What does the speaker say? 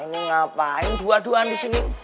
ini ngapain dua duan disini